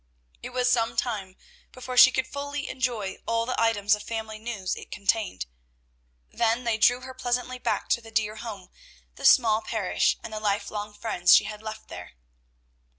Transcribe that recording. It was some time before she could fully enjoy all the items of family news it contained. Then they drew her pleasantly back to the dear home, the small parish, and the life long friends she had left there.